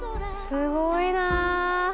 すごいな！